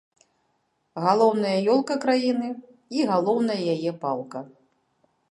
Галоўная ёлка краіны і галоўная яе палка.